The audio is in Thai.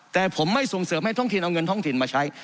แต่ผมไม่ส่งเสริมให้ท้องถิ่นเอาเงินท้องถิ่นมาใช้